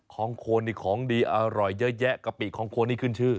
ของโคนนี่ของดีอร่อยเยอะแยะกะปิของโคนนี่ขึ้นชื่อ